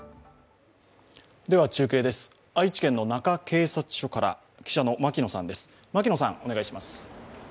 中継です、愛知県の中警察署から記者の牧野さんです。